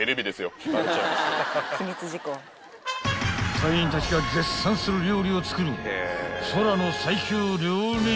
［隊員たちが絶賛する料理を作る］